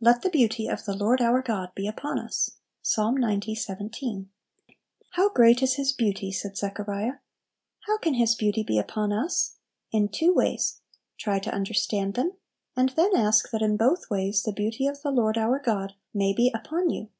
"Let the beauty of the Lord our God be upon us." Ps. xc. 17. "How great is His beauty!" said Zechariah. How can His beauty be upon us? In two ways; try to understand them, and then ask that in both ways the beauty of the Lord our God may be upon you.